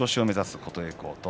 琴恵光。